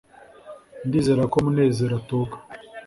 ndizera ko munezero atoga